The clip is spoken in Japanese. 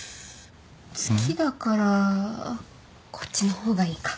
月だからこっちの方がいいか。